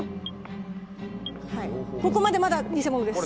ここまでまだ偽者です。